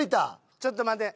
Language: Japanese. ちょっと待て。